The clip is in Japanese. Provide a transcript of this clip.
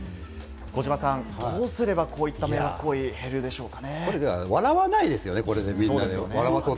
児嶋さん、どうすればこういった行為は減るでしょうか？